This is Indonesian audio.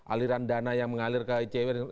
aliran dana yang mengalir ke icw